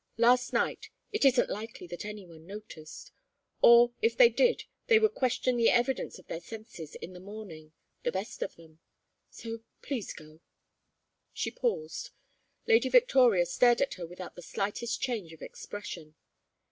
Last night, it isn't likely that any one noticed. Or if they did they would question the evidence of their senses in the morning, the best of them. So please go." She paused. Lady Victoria stared at her without the slightest change of expression.